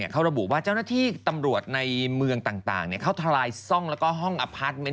เขาระบุว่าเจ้าหน้าที่ตำรวจในเมืองต่างเขาทลายซ่องแล้วก็ห้องอพาร์ทเมนต